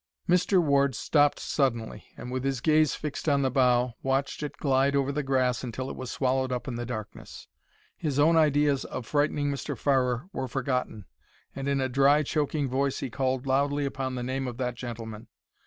Mr. Ward stopped suddenly and, with his gaze fixed on the bough, watched it glide over the grass until it was swallowed up in the darkness. His own ideas of frightening Mr. Farrer were forgotten, and in a dry, choking voice he called loudly upon the name of that gentleman.